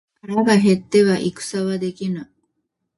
腹が減っては戦はできぬ